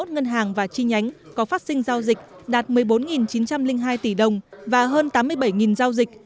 hai mươi ngân hàng và chi nhánh có phát sinh giao dịch đạt một mươi bốn chín trăm linh hai tỷ đồng và hơn tám mươi bảy giao dịch